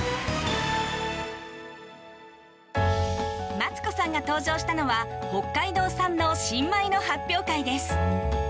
マツコさんが登場したのは北海道産の新米の発表会です。